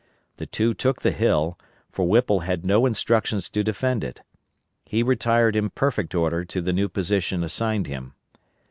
The two took the hill, for Whipple had no instructions to defend it. He retired in perfect order to the new position assigned him.